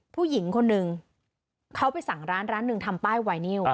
ผู้หญิงคนหนึ่งเขาไปสั่งร้านร้านหนึ่งทำป้ายไวนิว